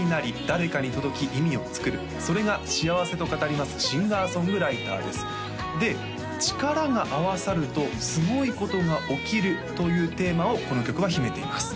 「誰かに届き意味をつくる」「それが幸せ」と語りますシンガー・ソングライターですで「力が合わさるとすごいことが起きる」というテーマをこの曲は秘めています